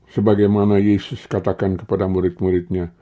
sebagaimana yesus katakan kepada murid muridnya